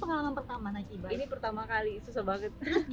bagaimana perasaan anda menikmati e bike di e bike